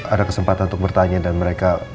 ada kesempatan untuk bertanya dan mereka